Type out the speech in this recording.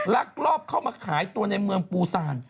ลักลอบเข้ามาขายตัวในเมืองปูซาน